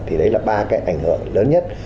thì đấy là ba cái ảnh hưởng lớn nhất